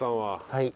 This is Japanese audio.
はい。